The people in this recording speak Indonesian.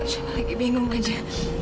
cuma lagi bingung aja